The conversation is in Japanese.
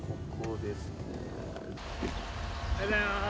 おはようございます。